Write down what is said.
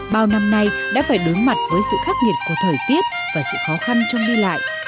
bao năm nay đã phải đối mặt với sự khắc nghiệt của thời tiết và sự khó khăn trong đi lại